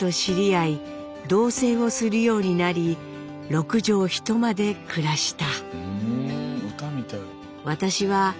「六畳一間で暮らした」。